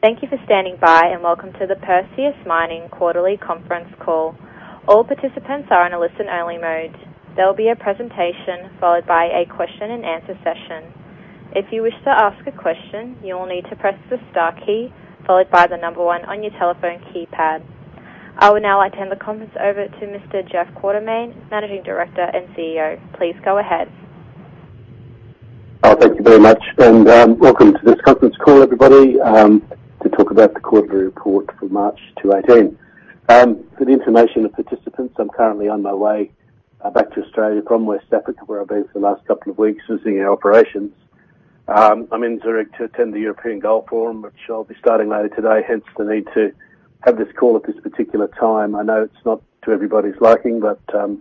Thank you for standing by and welcome to the Perseus Mining Quarterly Conference Call. All participants are in a listen-only mode. There will be a presentation followed by a question-and-answer session. If you wish to ask a question, you will need to press the star key followed by the number one on your telephone keypad. I will now turn the conference over to Mr. Jeff Quartermaine, Managing Director and CEO. Please go ahead. Thank you very much, and welcome to this conference call, everybody, to talk about the Quarterly Report for March 2018. For the information of participants, I'm currently on my way back to Australia from West Africa, where I've been for the last couple of weeks visiting our operations. I'm in Zurich to attend the European Gold Forum, which I'll be starting later today, hence the need to have this call at this particular time. I know it's not to everybody's liking, but no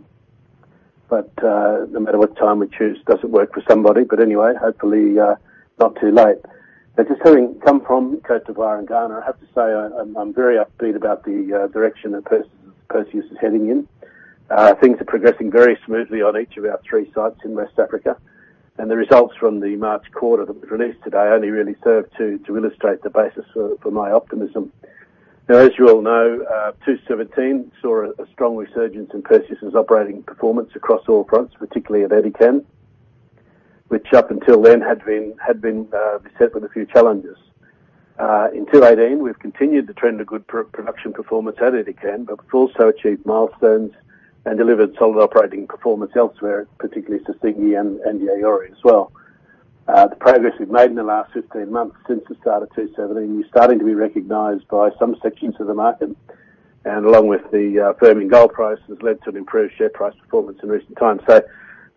matter what time we choose, it doesn't work for somebody. But anyway, hopefully not too late. Now, just having come from Côte d'Ivoire and Ghana, I have to say I'm very upbeat about the direction that Perseus is heading in. Things are progressing very smoothly on each of our three sites in West Africa, and the results from the March Quarter that was released today only really serve to illustrate the basis for my optimism. Now, as you all know, 2017 saw a strong resurgence in Perseus' operating performance across all fronts, particularly at Edikan, which up until then had been beset with a few challenges. In 2018, we've continued to trend a good production performance at Edikan, but we've also achieved milestones and delivered solid operating performance elsewhere, particularly Sissingué and Yaouré as well. The progress we've made in the last 15 months since the start of 2017 is starting to be recognized by some sections of the market, and along with the firming gold price, has led to an improved share price performance in recent times.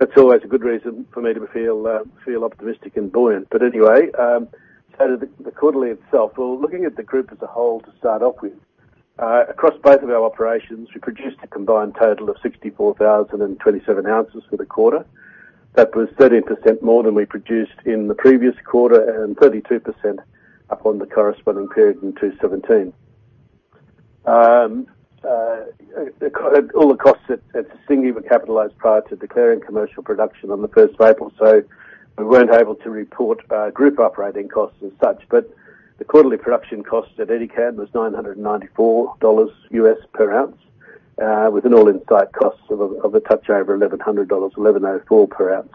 That's always a good reason for me to feel optimistic and buoyant. But anyway, the quarterly itself, well, looking at the group as a whole to start off with, across both of our operations, we produced a combined total of 64,027 oz for the quarter. That was 30% more than we produced in the previous quarter and 32% up on the corresponding period in 2017. All the costs at Sissingué were capitalized prior to declaring commercial production on the 1st of April, so we weren't able to report group operating costs as such. But the quarterly production cost at Edikan was $994 per ounce, with an all-in site cost of a touch over $1,100, $1,104 per ounce.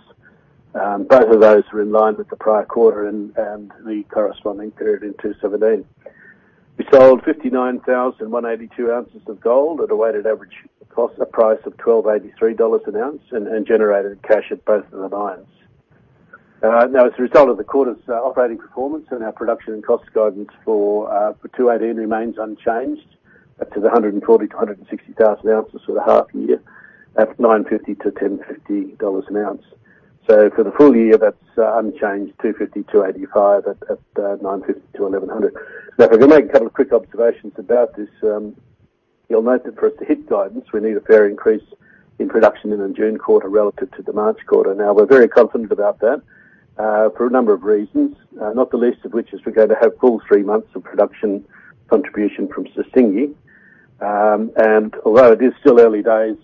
Both of those were in line with the prior quarter and the corresponding period in 2017. We sold 59,182 oz of gold at a weighted average price of $1,283 an ounce and generated cash at both of the mines. Now, as a result of the quarter's operating performance, our production and cost guidance for 2018 remains unchanged to 140,000 oz-160,000 oz for the half year at $950-$1,050 an ounce. So for the full year, that's unchanged, 250,000 oz-285,000 oz at $950-$1,100. Now, if I can make a couple of quick observations about this, you'll note that for us to hit guidance, we need a fair increase in production in the June quarter relative to the March quarter. Now, we're very confident about that for a number of reasons, not the least of which is we're going to have a full three months of production contribution from Sissingué. And although it is still early days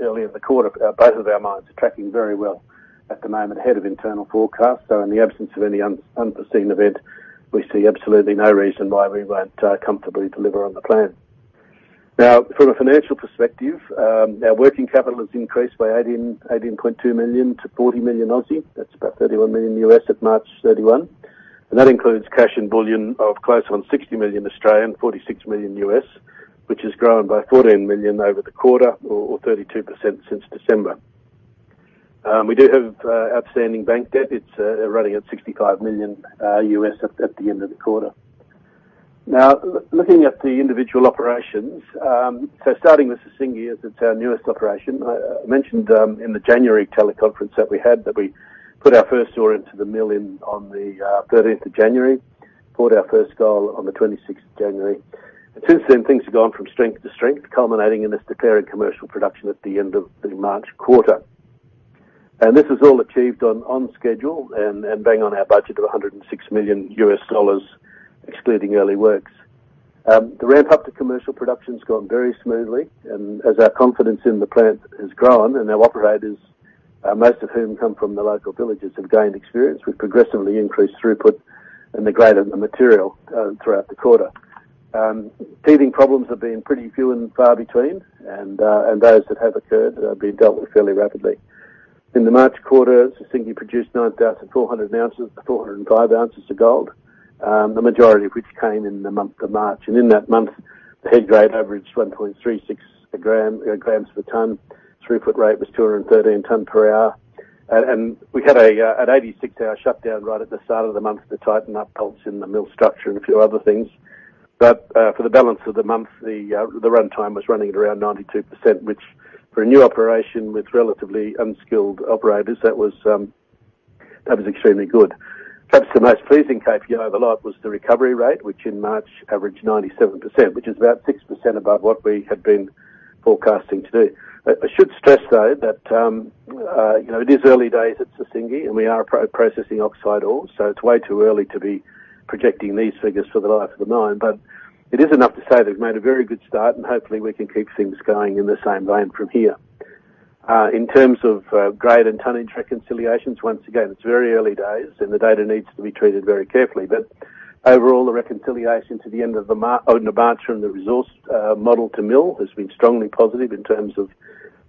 early in the quarter, both of our mines are tracking very well at the moment ahead of internal forecasts. So in the absence of any unforeseen event, we see absolutely no reason why we won't comfortably deliver on the plan. Now, from a financial perspective, our working capital has increased by 18.2 million to 40 million. That's about $31 million at March 31. And that includes cash on hand of close on 60 million and $46 million, which has grown by $14 million over the quarter, or 32% since December. We do have outstanding bank debt. It's running at $65 million at the end of the quarter. Now, looking at the individual operations, so starting with Sissingué, as it's our newest operation, I mentioned in the January teleconference that we had that we put our first ore into the mill on the 13th of January, poured our first gold on the 26th of January. Since then, things have gone from strength to strength, culminating in us declaring commercial production at the end of the March quarter. And this was all achieved on schedule and being on our budget of $106 million, excluding early works. The ramp-up to commercial production has gone very smoothly, and as our confidence in the plant has grown and our operators, most of whom come from the local villages, have gained experience with progressively increased throughput and the greater the material throughput throughout the quarter. Feeding problems have been pretty few and far between, and those that have occurred have been dealt with fairly rapidly. In the March quarter, Sissingué produced 9,400 oz to 405 oz of gold, the majority of which came in the month of March. In that month, the head grade averaged 1.36 g per ton. Throughput rate was 213 tonnes per hour. We had an 86-hour shutdown right at the start of the month to tighten up bolts in the mill structure and a few other things. For the balance of the month, the runtime was running at around 92%, which for a new operation with relatively unskilled operators, that was extremely good. Perhaps the most pleasing KPI of the lot was the recovery rate, which in March averaged 97%, which is about 6% above what we had been forecasting to do. I should stress, though, that it is early days at Sissingué, and we are processing oxide ore, so it's way too early to be projecting these figures for the life of the mine. But it is enough to say that we've made a very good start, and hopefully we can keep things going in the same vein from here. In terms of grade and tonnage reconciliations, once again, it's very early days, and the data needs to be treated very carefully. But overall, the reconciliation to the end of March from the resource model to mill has been strongly positive in terms of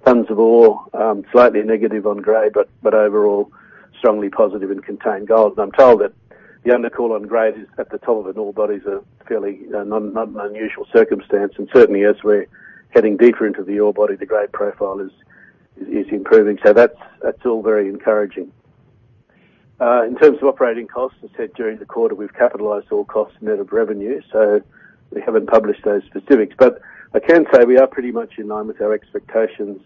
tonnes of ore, slightly negative on grade, but overall strongly positive in contained gold. And I'm told that the undercall on grade at the top of an ore body is a fairly, not an unusual circumstance. And certainly, as we're heading deeper into the ore body, the grade profile is improving. So that's all very encouraging. In terms of operating costs, as said during the quarter, we've capitalized all costs net of revenue, so we haven't published those specifics. But I can say we are pretty much in line with our expectations.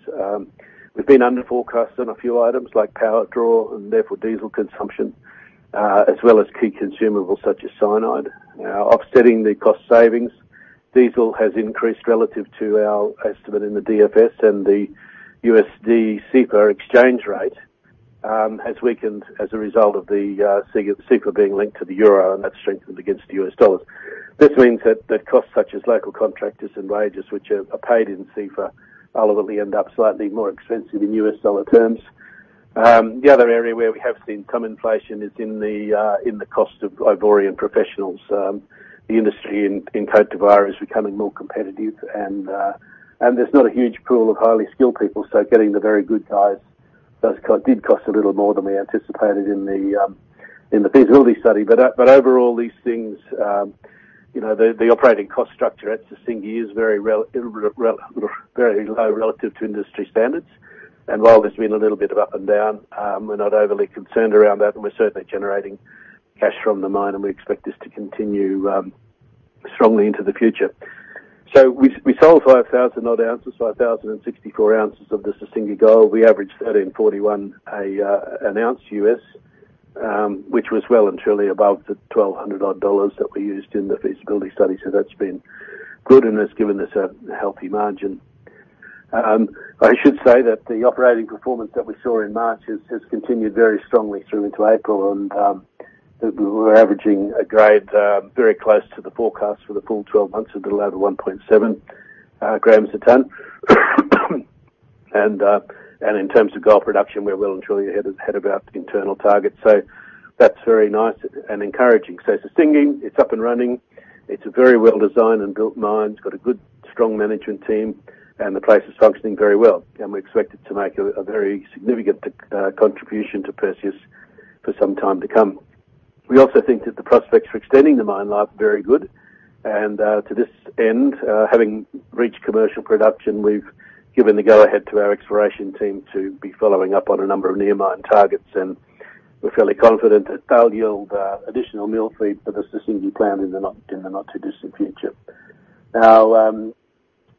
We've been under forecast on a few items like power draw and therefore diesel consumption, as well as key consumables such as cyanide. Offsetting the cost savings, diesel has increased relative to our estimate in the DFS and the USD SEPA exchange rate has weakened as a result of the SEPA being linked to the euro, and that's strengthened against the US dollars. This means that costs such as local contractors and wages, which are paid in SEPA, ultimately end up slightly more expensive in US dollar terms. The other area where we have seen some inflation is in the cost of Ivorian professionals. The industry in Côte d'Ivoire is becoming more competitive, and there's not a huge pool of highly skilled people, so getting the very good guys did cost a little more than we anticipated in the feasibility study. But overall, these things, the operating cost structure at Sissingué is very low relative to industry standards. And while there's been a little bit of up and down, we're not overly concerned around that, and we're certainly generating cash from the mine, and we expect this to continue strongly into the future. So we sold 5,000-odd ounces, 5,064 oz of the Sissingué gold. We averaged $1,341 an ounce, which was well and truly above the $1,200 that we used in the feasibility study. So that's been good, and it's given us a healthy margin. I should say that the operating performance that we saw in March has continued very strongly through into April, and we're averaging a grade very close to the forecast for the full 12 months of 1.0 g- 1.7 g a tonne. And in terms of gold production, we're well and truly ahead of our internal targets. So that's very nice and encouraging. So Sissingué, it's up and running. It's a very well-designed and built mine. It's got a good, strong management team, and the place is functioning very well. And we expect it to make a very significant contribution to Perseus for some time to come. We also think that the prospects for extending the mine life are very good. And to this end, having reached commercial production, we've given the go-ahead to our exploration team to be following up on a number of near-mine targets. We're fairly confident that they'll yield additional mill feed for the Sissingué plant in the not-too-distant future. Now,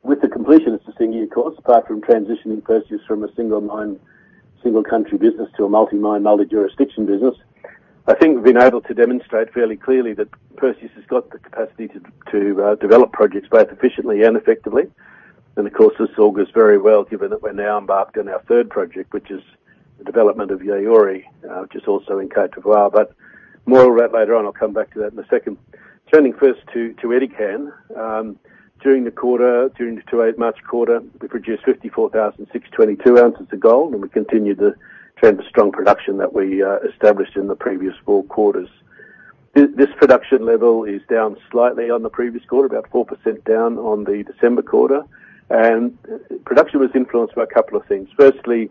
with the completion of Sissingué, of course, apart from transitioning Perseus from a single-country business to a multi-mine multi-jurisdiction business, I think we've been able to demonstrate fairly clearly that Perseus has got the capacity to develop projects both efficiently and effectively. Of course, this all goes very well given that we're now embarked on our third project, which is the development of Yaouré, which is also in Côte d'Ivoire. More on that later on. I'll come back to that in a second. Turning first to Edikan, during the quarter, during the March quarter, we produced 54,622 oz of gold, and we continue to trend a strong production that we established in the previous four quarters. This production level is down slightly on the previous quarter, about 4% down on the December quarter, and production was influenced by a couple of things. Firstly,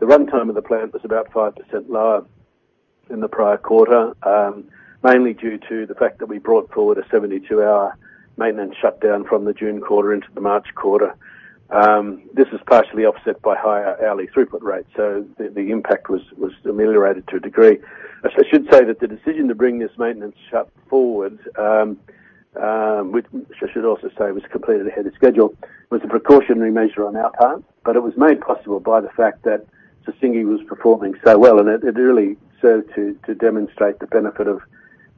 the runtime of the plant was about 5% lower than the prior quarter, mainly due to the fact that we brought forward a 72-hour maintenance shutdown from the June quarter into the March quarter. This was partially offset by higher hourly throughput rates, so the impact was ameliorated to a degree. I should say that the decision to bring this maintenance shutdown forward, which I should also say was completed ahead of schedule, was a precautionary measure on our part, but it was made possible by the fact that Sissingué was performing so well, and it really served to demonstrate the benefit of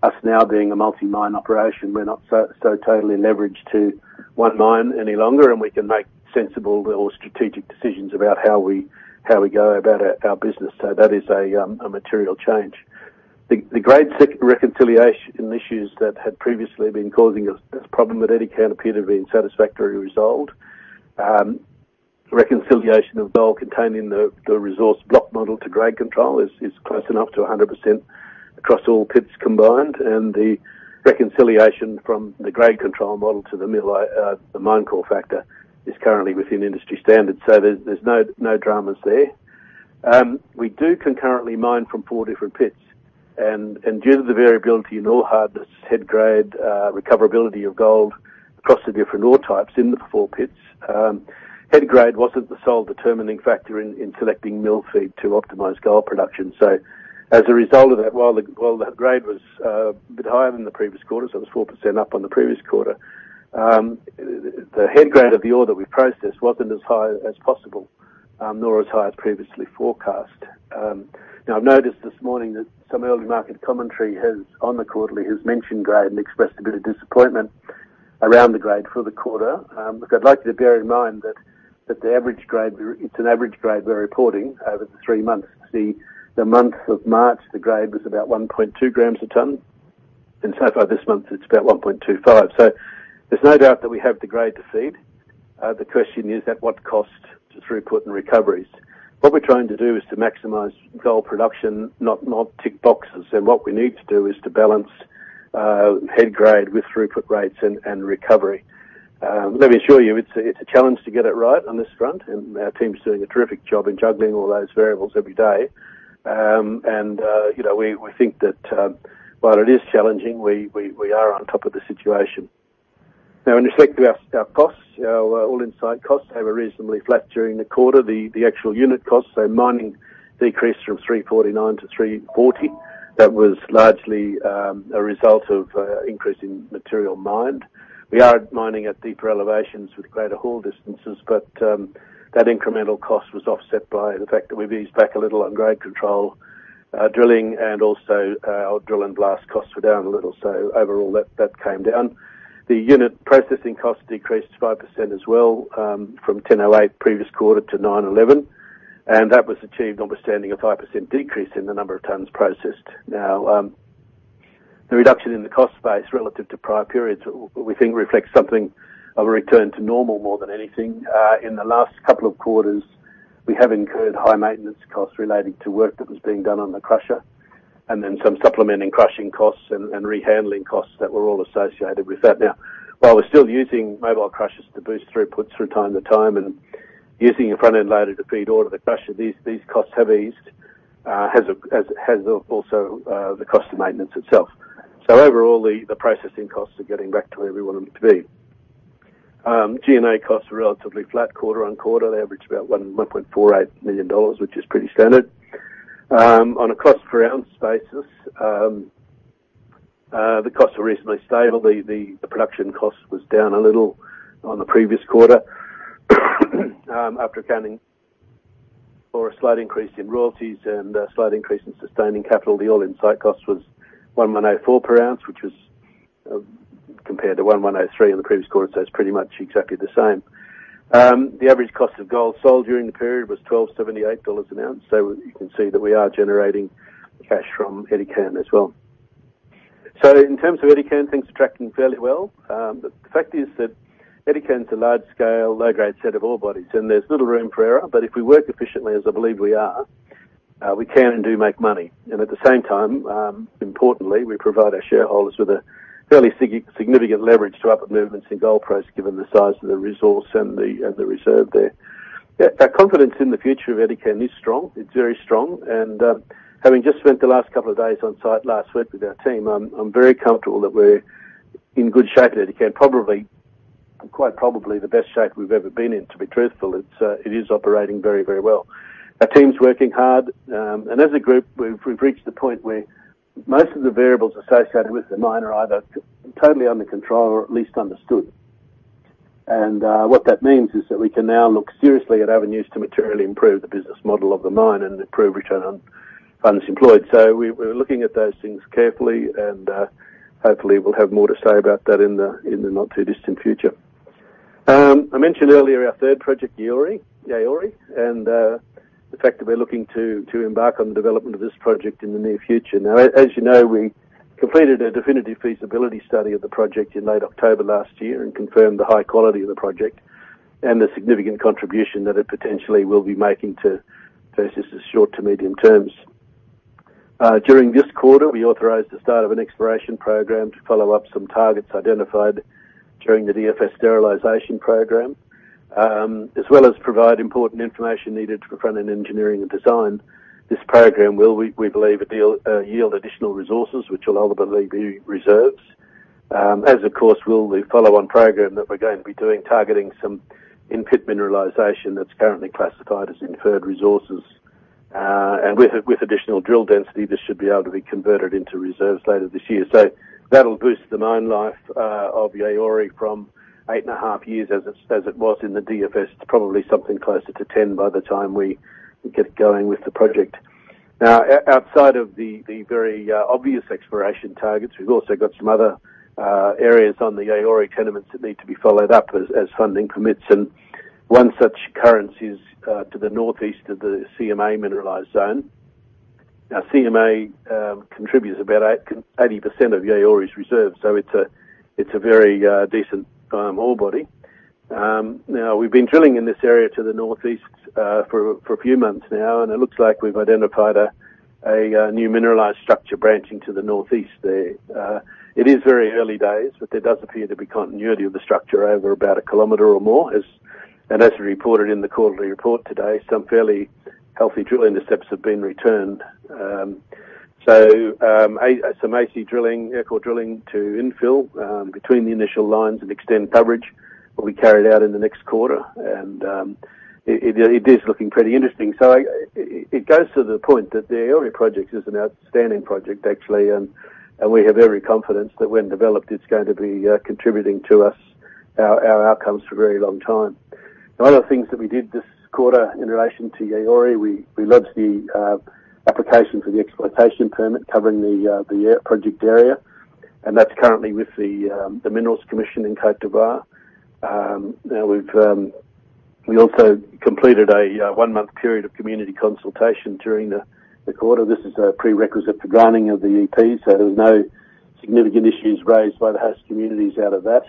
us now being a multi-mine operation. We're not so totally leveraged to one mine any longer, and we can make sensible or strategic decisions about how we go about our business, so that is a material change. The grade reconciliation issues that had previously been causing us problems at Edikan appear to have been satisfactorily resolved. Reconciliation of gold contained in the resource block model to grade control is close enough to 100% across all pits combined. And the reconciliation from the grade control model to the mine call factor is currently within industry standards, so there's no dramas there. We do concurrently mine from four different pits, and due to the variability in ore hardness, head grade, recoverability of gold across the different ore types in the four pits, head grade wasn't the sole determining factor in selecting mill feed to optimize gold production. So as a result of that, while the grade was a bit higher than the previous quarter, so it was 4% up on the previous quarter, the head grade of the ore that we processed wasn't as high as possible, nor as high as previously forecast. Now, I've noticed this morning that some early market commentary on the quarterly has mentioned grade and expressed a bit of disappointment around the grade for the quarter. I'd like you to bear in mind that it's an average grade we're reporting over the three months. The month of March, the grade was about 1.2 g a tonne. And so far this month, it's about 1.25 g. So there's no doubt that we have the grade to feed. The question is at what cost to throughput and recoveries. What we're trying to do is to maximize gold production, not tick boxes. What we need to do is to balance head grade with throughput rates and recovery. Let me assure you, it's a challenge to get it right on this front, and our team's doing a terrific job in juggling all those variables every day. And we think that while it is challenging, we are on top of the situation. Now, in respect to our costs, our all-in site costs have been reasonably flat during the quarter. The actual unit costs, so mining decreased from $349-$340. That was largely a result of increasing material mined. We are mining at deeper elevations with greater haul distances, but that incremental cost was offset by the fact that we've eased back a little on grade control drilling, and also our drill and blast costs were down a little. So overall, that came down. The unit processing costs decreased 5% as well from $1,008 previous quarter to $911, and that was achieved on the standing of 5% decrease in the number of tonnes processed. Now, the reduction in the cost base relative to prior periods, we think, reflects something of a return to normal more than anything. In the last couple of quarters, we have incurred high maintenance costs relating to work that was being done on the crusher, and then some supplementary crushing costs and rehandling costs that were all associated with that. Now, while we're still using mobile crushers to boost throughputs from time to time and using a front-end loader to feed ore to the crusher, these costs have eased, as have also the cost of maintenance itself. So overall, the processing costs are getting back to where we want them to be. G&A costs are relatively flat quarter on quarter. They average about $1.48 million, which is pretty standard. On a cost per ounce basis, the costs are reasonably stable. The production cost was down a little on the previous quarter. After accounting for a slight increase in royalties and a slight increase in sustaining capital, the all-in site cost was $1,104 per ounce, which was compared to $1,103 in the previous quarter, so it's pretty much exactly the same. The average cost of gold sold during the period was $1,278 an ounce, so you can see that we are generating cash from Edikan as well, so in terms of Edikan, things are tracking fairly well. The fact is that Edikan's a large-scale, low-grade set of ore bodies, and there's little room for error. But if we work efficiently, as I believe we are, we can and do make money. And at the same time, importantly, we provide our shareholders with a fairly significant leverage to upward movements in gold price given the size of the resource and the reserve there. Our confidence in the future of Edikan is strong. It's very strong. And having just spent the last couple of days on site last week with our team, I'm very comfortable that we're in good shape at Edikan, probably, quite probably, the best shape we've ever been in, to be truthful. It is operating very, very well. Our team's working hard. And as a group, we've reached the point where most of the variables associated with the mine are either totally under control or at least understood. And what that means is that we can now look seriously at avenues to materially improve the business model of the mine and improve return on funds employed. So we're looking at those things carefully, and hopefully, we'll have more to say about that in the not-too-distant future. I mentioned earlier our third project, Yaouré, and the fact that we're looking to embark on the development of this project in the near future. Now, as you know, we completed a definitive feasibility study of the project in late October last year and confirmed the high quality of the project and the significant contribution that it potentially will be making to Perseus's short to medium terms. During this quarter, we authorized the start of an exploration program to follow up some targets identified during the DFS sterilization program, as well as provide important information needed to support engineering and design. This program will, we believe, yield additional resources, which will ultimately be reserves. As, of course, will the follow-on program that we're going to be doing, targeting some in-pit mineralization that's currently classified as inferred resources. And with additional drill density, this should be able to be converted into reserves later this year. So that'll boost the mine life of Yaouré from eight and a half years as it was in the DFS. It's probably something closer to 10 by the time we get going with the project. Now, outside of the very obvious exploration targets, we've also got some other areas on the Yaouré tenements that need to be followed up as funding permits. And one such target is to the northeast of the CMA mineralized zone. Now, CMA contributes about 80% of Yaouré's reserves, so it's a very decent ore body. Now, we've been drilling in this area to the northeast for a few months now, and it looks like we've identified a new mineralized structure branching to the northeast there, it is very early days, but there does appear to be continuity of the structure over about a kilometer or more, and as we reported in the quarterly report today, some fairly healthy drill intercepts have been returned, so some AC drilling, aircore drilling to infill between the initial lines and extend coverage will be carried out in the next quarter, and it is looking pretty interesting, so it goes to the point that the Yaouré project is an outstanding project, actually, and we have every confidence that when developed, it's going to be contributing to us our outcomes for a very long time. One of the things that we did this quarter in relation to Yaouré, we lodged the application for the exploitation permit covering the project area. And that's currently with the Minerals Commission in Côte d'Ivoire. Now, we've also completed a one-month period of community consultation during the quarter. This is a prerequisite for granting of the EP. So there were no significant issues raised by the host communities out of that.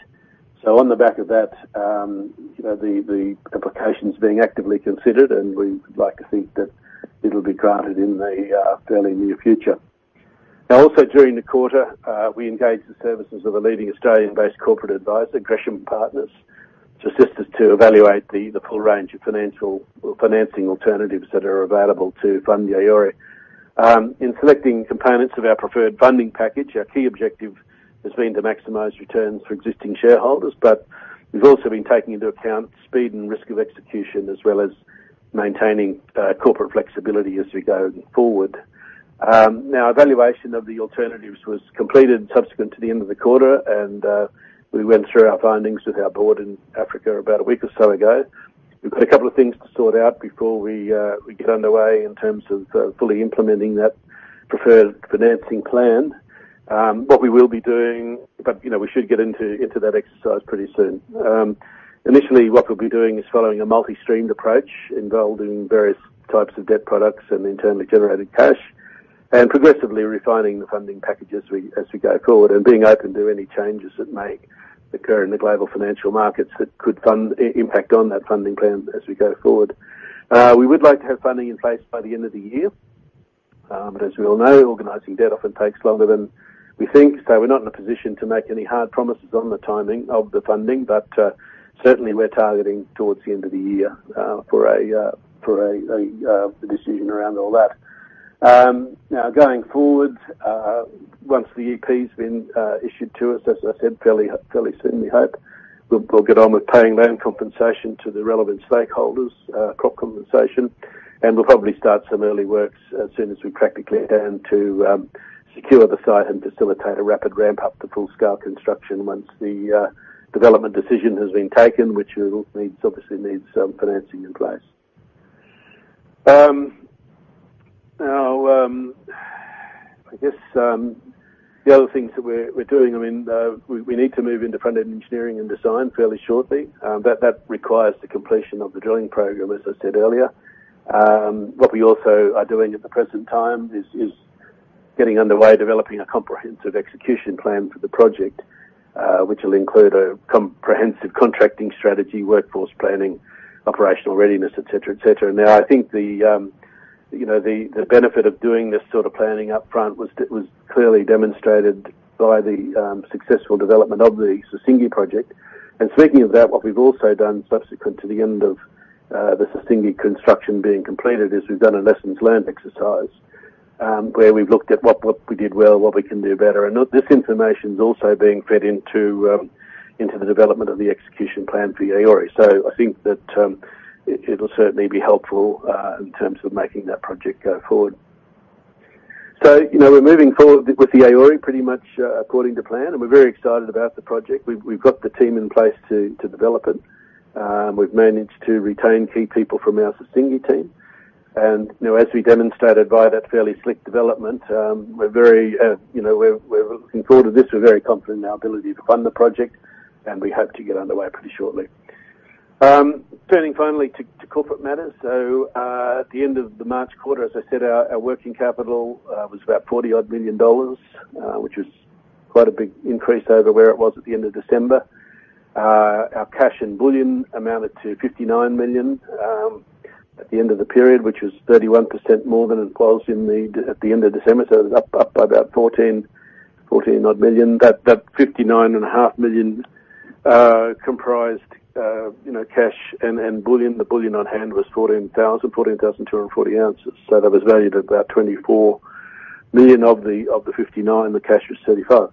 So on the back of that, the application's being actively considered, and we would like to think that it'll be granted in the fairly near future. Now, also during the quarter, we engaged the services of a leading Australian-based corporate advisor, Gresham Partners, to assist us to evaluate the full range of financing alternatives that are available to fund Yaouré. In selecting components of our preferred funding package, our key objective has been to maximize returns for existing shareholders. But we've also been taking into account speed and risk of execution, as well as maintaining corporate flexibility as we go forward. Now, evaluation of the alternatives was completed subsequent to the end of the quarter, and we went through our findings with our board in Africa about a week or so ago. We've got a couple of things to sort out before we get underway in terms of fully implementing that preferred financing plan. What we will be doing, but we should get into that exercise pretty soon. Initially, what we'll be doing is following a multi-streamed approach involving various types of debt products and internally generated cash, and progressively refining the funding packages as we go forward and being open to any changes that may occur in the global financial markets that could impact on that funding plan as we go forward. We would like to have funding in place by the end of the year, but as we all know, organizing debt often takes longer than we think, so we're not in a position to make any hard promises on the timing of the funding, but certainly, we're targeting towards the end of the year for a decision around all that. Now, going forward, once the EP's been issued to us, as I said, fairly soon, we hope we'll get on with paying land compensation to the relevant stakeholders, crop compensation, and we'll probably start some early works as soon as we practically can to secure the site and facilitate a rapid ramp-up to full-scale construction once the development decision has been taken, which obviously needs some financing in place. Now, I guess the other things that we're doing, I mean, we need to move into front-end engineering and design fairly shortly. That requires the completion of the drilling program, as I said earlier. What we also are doing at the present time is getting underway developing a comprehensive execution plan for the project, which will include a comprehensive contracting strategy, workforce planning, operational readiness, etc., etc. Now, I think the benefit of doing this sort of planning upfront was clearly demonstrated by the successful development of the Sissingué project. And speaking of that, what we've also done subsequent to the end of the Sissingué construction being completed is we've done a lessons learned exercise where we've looked at what we did well, what we can do better. And this information's also being fed into the development of the execution plan for Yaouré. So I think that it'll certainly be helpful in terms of making that project go forward. So we're moving forward with Yaouré pretty much according to plan, and we're very excited about the project. We've got the team in place to develop it. We've managed to retain key people from our Sissingué team. And as we demonstrated by that fairly slick development, we're very looking forward to this. We're very confident in our ability to fund the project, and we hope to get underway pretty shortly. Turning finally to corporate matters. So at the end of the March quarter, as I said, our working capital was about $40-odd million, which was quite a big increase over where it was at the end of December. Our cash and bullion amounted to $59 million at the end of the period, which was 31% more than it was at the end of December. So it was up by about 14-odd million. That $59.5 million comprised cash and bullion. The bullion on hand was 14,240 oz. So that was valued at about $24 million of the $59 million. The cash was $35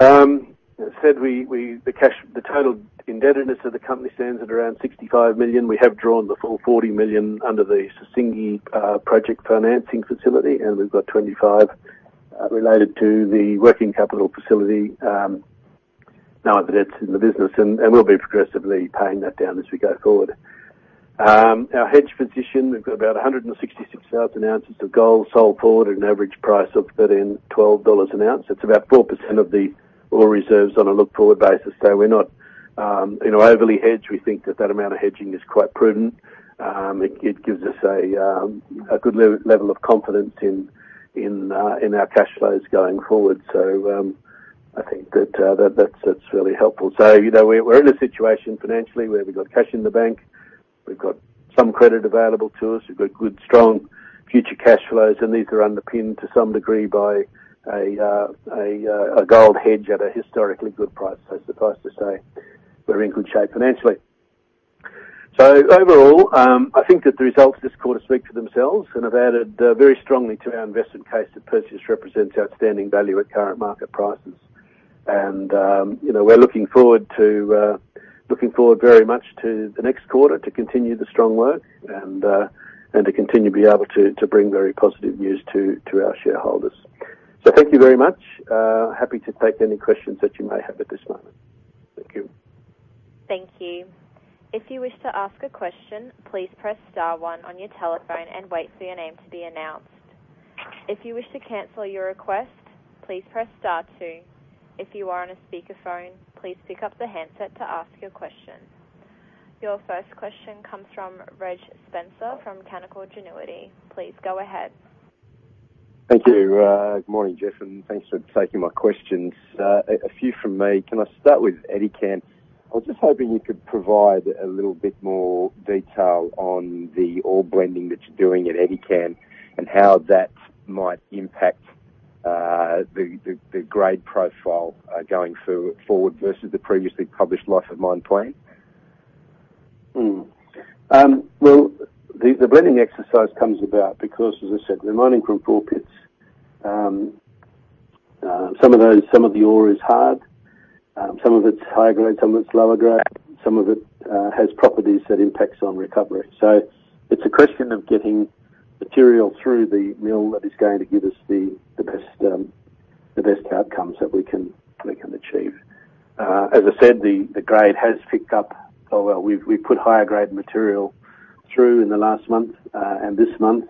million. As I said, the total indebtedness of the company stands at around $65 million. We have drawn the full $40 million under the Sissingué project financing facility, and we've got $25 million related to the working capital facility now that it's in the business. And we'll be progressively paying that down as we go forward. Our hedge position, we've got about 166,000 oz of gold sold forward at an average price of $1,312 an ounce. That's about 4% of the ore reserves on a look-forward basis. So we're not overly hedged. We think that that amount of hedging is quite prudent. It gives us a good level of confidence in our cash flows going forward. So I think that that's fairly helpful. So we're in a situation financially where we've got cash in the bank. We've got some credit available to us. We've got good, strong future cash flows. And these are underpinned to some degree by a gold hedge at a historically good price. So suffice to say, we're in good shape financially. So overall, I think that the results of this quarter speak for themselves. And I've added very strongly to our investment case that Perseus represents outstanding value at current market prices. And we're looking forward to very much to the next quarter to continue the strong work and to continue to be able to bring very positive news to our shareholders. So thank you very much. Happy to take any questions that you may have at this moment. Thank you. Thank you. If you wish to ask a question, please press star one on your telephone and wait for your name to be announced. If you wish to cancel your request, please press star two. If you are on a speakerphone, please pick up the handset to ask your question. Your first question comes from Reg Spencer from Canaccord Genuity. Please go ahead. Thank you. Good morning, Jeff, and thanks for taking my questions. A few from me. Can I start with Edikan? I was just hoping you could provide a little bit more detail on the ore blending that you're doing at Edikan and how that might impact the grade profile going forward versus the previously published life of mine plan? The blending exercise comes about because, as I said, we're mining from four pits. Some of the ore is hard. Some of it's high grade. Some of it's lower grade. Some of it has properties that impact on recovery. It's a question of getting material through the mill that is going to give us the best outcomes that we can achieve. As I said, the grade has picked up. We've put higher grade material through in the last month and this month,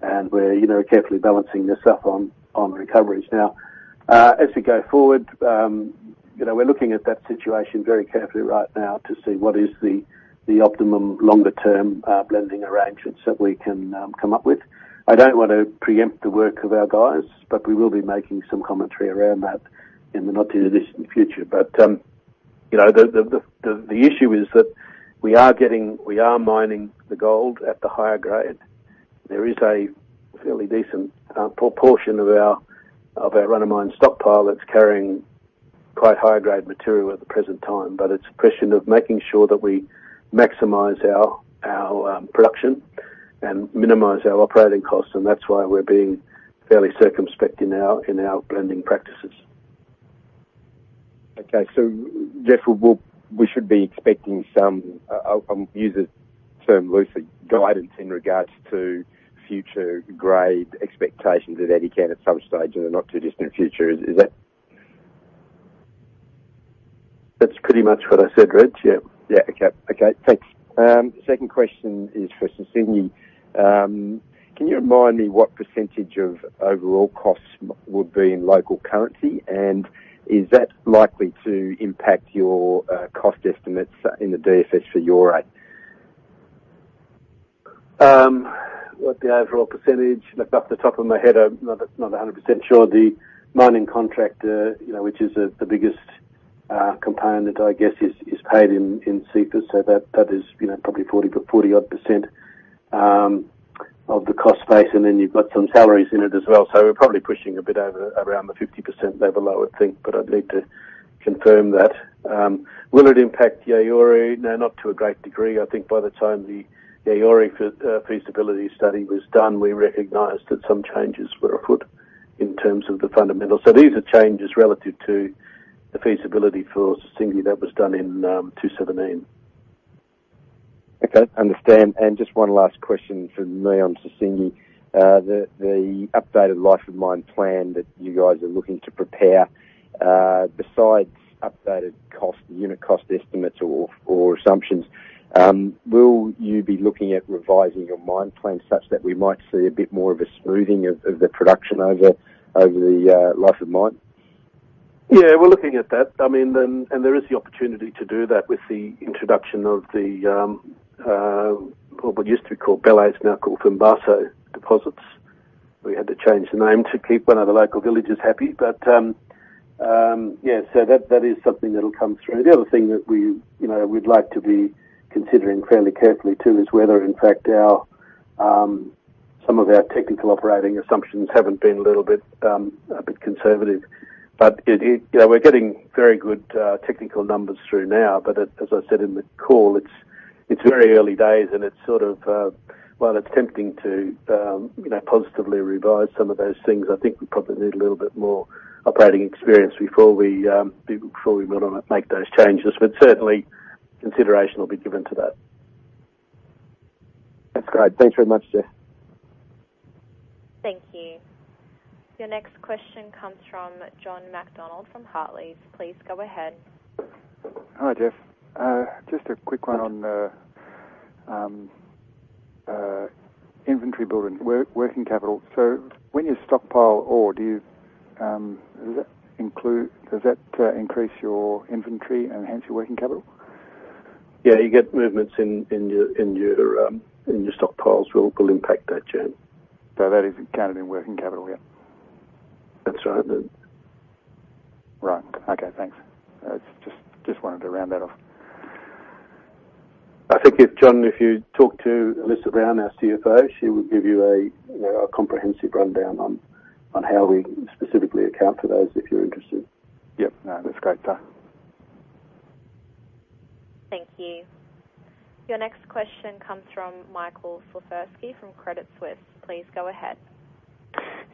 and we're carefully balancing this up on recovery. Now, as we go forward, we're looking at that situation very carefully right now to see what is the optimum longer-term blending arrangements that we can come up with. I don't want to preempt the work of our guys, but we will be making some commentary around that in the not-too-distant future. But the issue is that we are mining the gold at the higher grade. There is a fairly decent portion of our run-of-mine stockpile that's carrying quite high-grade material at the present time. But it's a question of making sure that we maximize our production and minimize our operating costs. And that's why we're being fairly circumspect in our blending practices. Okay. So, Jeff, we should be expecting some, I'll use the term loosely, guidance in regards to future grade expectations at Edikan at some stage in the not-too-distant future. Is that? That's pretty much what I said, Reg. Yeah. Thanks. Second question is for Sissingué. Can you remind me what percentage of overall costs would be in local currency? And is that likely to impact your cost estimates in the DFS for Yaouré? What's the overall percentage? Looking off the top of my head, I'm not 100% sure. The mining contractor, which is the biggest component, I guess, is paid in CFA. So that is probably 40-odd% of the cost base. And then you've got some salaries in it as well. So we're probably pushing a bit over around the 50% level though, I think. But I'd need to confirm that. Will it impact Yaouré? No, not to a great degree. I think by the time the Yaouré feasibility study was done, we recognized that some changes were afoot in terms of the fundamentals. So these are changes relative to the feasibility for Sissingué that was done in 2017. Okay. Understand. And just one last question for me on Sissingué. The updated life of mine plan that you guys are looking to prepare, besides updated unit cost estimates or assumptions, will you be looking at revising your mine plan such that we might see a bit more of a smoothing of the production over the life of mine? Yeah. We're looking at that. I mean, and there is the opportunity to do that with the introduction of the what used to be called Bélé, it's now called Fimbiasso deposits. We had to change the name to keep one of the local villages happy. But yeah, so that is something that'll come through. The other thing that we'd like to be considering fairly carefully too is whether, in fact, some of our technical operating assumptions haven't been a little bit conservative. But we're getting very good technical numbers through now. But as I said in the call, it's very early days, and it's sort of, well, it's tempting to positively revise some of those things. I think we probably need a little bit more operating experience before we make those changes. But certainly, consideration will be given to that. That's great. Thanks very much, Jeff. Thank you. Your next question comes from John Macdonald from Hartleys. Please go ahead. Hi, Jeff. Just a quick one on inventory building, working capital. So when you stockpile ore, does that increase your inventory and enhance your working capital? Yeah. You get movements in your stockpiles will impact that, John. So that is counted in working capital, yeah? That's right. Right. Okay. Thanks. Just wanted to round that off. I think, John, if you talk to Elissa Brown our CFO, she will give you a comprehensive rundown on how we specifically account for those if you're interested. Yep. That's great. Thank you. Your next question comes from Michael Slifirski from Credit Suisse. Please go ahead.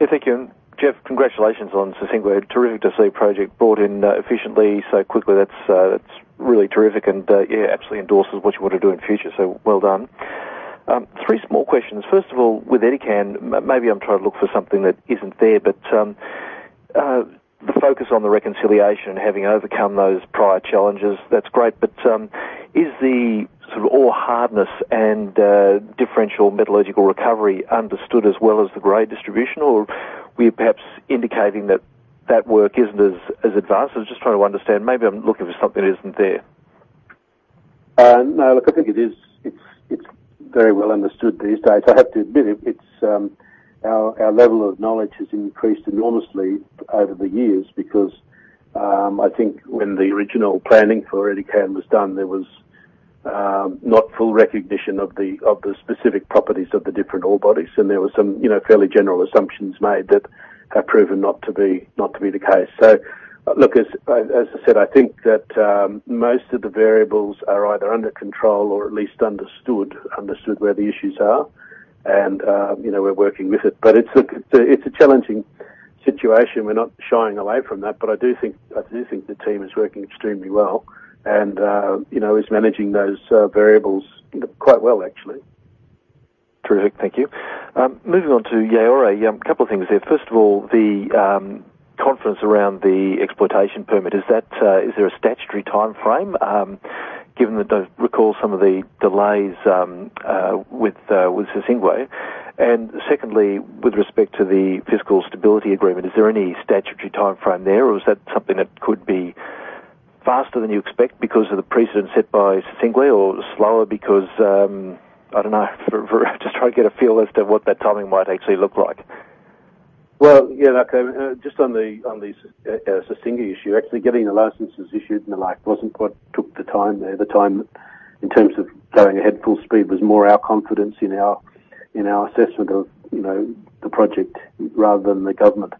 Yeah. Thank you. Jeff, congratulations on Sissingué. Terrific to see a project brought in efficiently so quickly. That's really terrific. And yeah, absolutely endorses what you want to do in the future. So well done. Three small questions. First of all, with Edikan, maybe I'm trying to look for something that isn't there, but the focus on the reconciliation and having overcome those prior challenges, that's great. But is the sort of ore hardness and differential metallurgical recovery understood as well as the grade distribution? Or are we perhaps indicating that that work isn't as advanced? I was just trying to understand. Maybe I'm looking for something that isn't there. No. Look, I think it is. It's very well understood these days. I have to admit it. Our level of knowledge has increased enormously over the years because I think when the original planning for Edikan was done, there was not full recognition of the specific properties of the different ore bodies. And there were some fairly general assumptions made that have proven not to be the case. So look, as I said, I think that most of the variables are either under control or at least understood where the issues are. And we're working with it. But it's a challenging situation. We're not shying away from that. But I do think the team is working extremely well and is managing those variables quite well, actually. Terrific. Thank you. Moving on to Yaouré. A couple of things there. First of all, the confidence around the exploitation permit. Is there a statutory timeframe given that I recall some of the delays with Sissingué? And secondly, with respect to the fiscal stability agreement, is there any statutory timeframe there? Or is that something that could be faster than you expect because of the precedent set by Sissingué or slower because, I don't know. Just trying to get a feel as to what that timing might actually look like. Well, yeah. Look, just on the Sissingué issue, actually getting the licenses issued and the like wasn't what took the time. The time, in terms of going ahead full speed, was more our confidence in our assessment of the project rather than the government.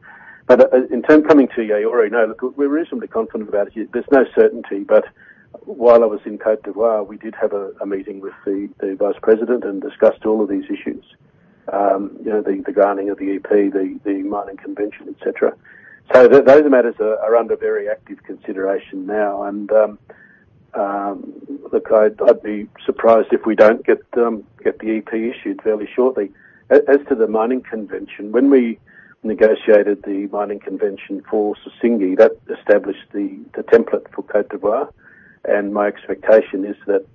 But in terms of coming to Yaouré, no, look, we're reasonably confident about it. There's no certainty. But while I was in Côte d'Ivoire, we did have a meeting with the vice president and discussed all of these issues: the granting of the EP, the mining convention, etc. So those matters are under very active consideration now. And look, I'd be surprised if we don't get the EP issued fairly shortly. As to the mining convention, when we negotiated the mining convention for Sissingué, that established the template for Côte d'Ivoire. My expectation is that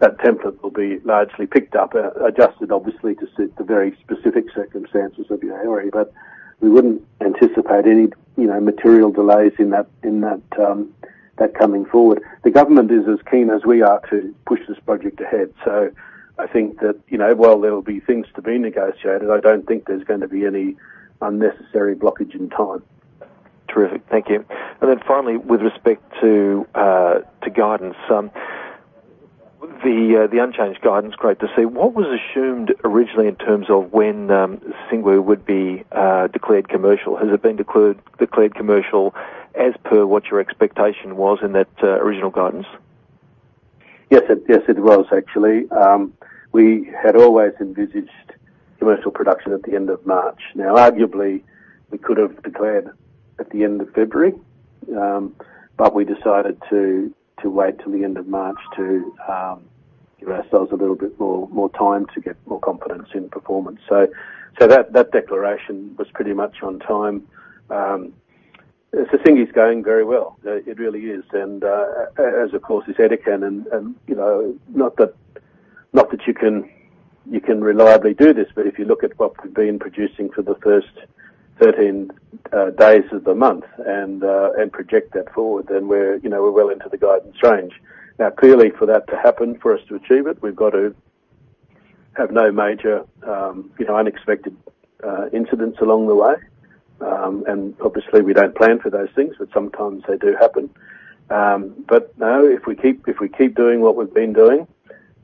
that template will be largely picked up, adjusted obviously to suit the very specific circumstances of Yaouré. But we wouldn't anticipate any material delays in that coming forward. The government is as keen as we are to push this project ahead. So I think that while there will be things to be negotiated, I don't think there's going to be any unnecessary blockage in time. Terrific. Thank you. And then finally, with respect to guidance, the unchanged guidance, great to see. What was assumed originally in terms of when Sissingué would be declared commercial? Has it been declared commercial as per what your expectation was in that original guidance? Yes. Yes, it was, actually. We had always envisaged commercial production at the end of March. Now, arguably, we could have declared at the end of February. But we decided to wait till the end of March to give ourselves a little bit more time to get more confidence in performance. So that declaration was pretty much on time. Sissingué is going very well. It really is. And as, of course, is Edikan. And not that you can reliably do this, but if you look at what we've been producing for the first 13 days of the month and project that forward, then we're well into the guidance range. Now, clearly, for that to happen, for us to achieve it, we've got to have no major unexpected incidents along the way. And obviously, we don't plan for those things, but sometimes they do happen. But no, if we keep doing what we've been doing,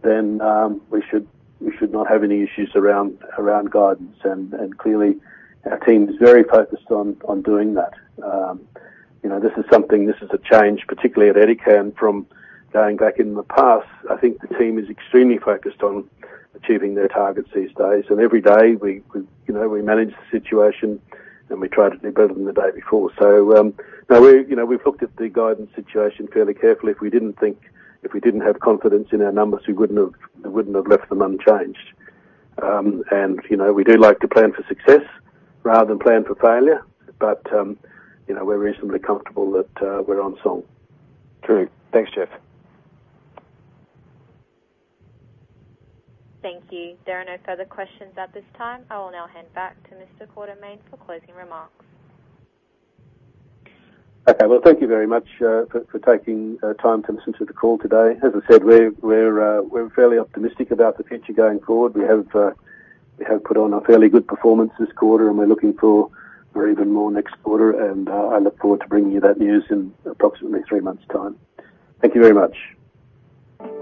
then we should not have any issues around guidance. And clearly, our team is very focused on doing that. This is something, this is a change, particularly at Edikan from going back in the past. I think the team is extremely focused on achieving their targets these days. And every day, we manage the situation, and we try to do better than the day before. So no, we've looked at the guidance situation fairly carefully. If we didn't think, if we didn't have confidence in our numbers, we wouldn't have left them unchanged. And we do like to plan for success rather than plan for failure. But we're reasonably comfortable that we're on song. Terrific. Thanks, Jeff. Thank you. There are no further questions at this time. I will now hand back to Mr. Quartermaine for closing remarks. Okay. Well, thank you very much for taking time to listen to the call today. As I said, we're fairly optimistic about the future going forward. We have put on a fairly good performance this quarter, and we're looking for even more next quarter. And I look forward to bringing you that news in approximately three months' time. Thank you very much.